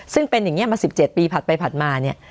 ซึ่งเป็นอย่างนี้มา๑๗ปีผ่านไปผ่านมาเนี่ย